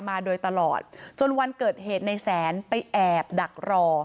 มาโดยตลอดจนวันเกิดเหตุในแสนไปแอบดักรอ